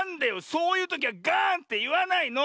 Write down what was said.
⁉そういうときはガーンっていわないの！